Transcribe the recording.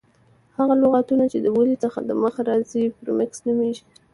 هغه لغتونه، چي د ولي څخه دمخه راځي پریفکس نومیږي.